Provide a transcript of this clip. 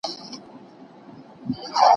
سیدال خان ناصر په ډیرو جنګونو کې توره وهلې وه.